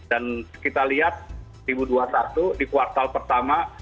dan kita lihat dua ribu dua puluh satu di kuartal pertama